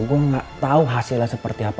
gue gak tau hasilnya seperti apa